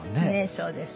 そうです。